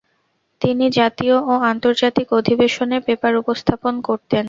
তিনি জাতীয় ও আন্তর্জাতিক অধিবেশনে পেপার উপস্থাপন করতেন।